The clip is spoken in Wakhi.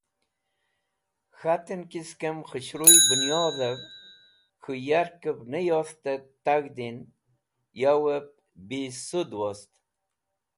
K̃haten ki skem khũshruy bũnyodhev k̃hũ yarkev ne yotht et tag̃hdin, yowp bisũd wost.